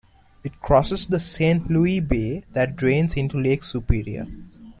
It crosses the Saint Louis Bay that drains into Lake Superior.